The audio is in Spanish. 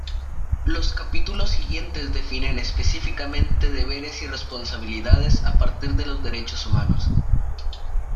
Los capítulos siguientes definen específicamente deberes y responsabilidades a partir de los derechos humanos.